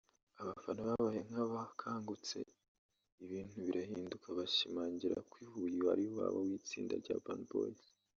abafana babaye nkabakangutse ibintu birahinduka bashimangira ko i Huye ari iwabo w’itsinda rya Urban Boys